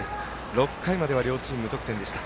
６回までは両チーム、無得点でした。